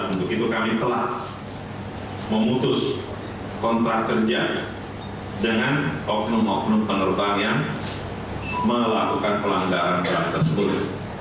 untuk itu kami telah memutus kontrak kerja dengan oknum oknum penerbangan yang melakukan pelanggaran berat tersebut